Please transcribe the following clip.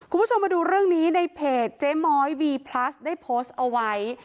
คุณผู้ชมมาดูเรื่องนี้ในเพจเจ๊ม้อยวีพลัสได้โพสต์เอาไว้